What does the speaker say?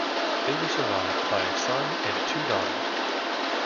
They were survived by a son and two daughters.